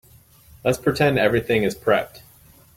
Let's pretend everything is prepped.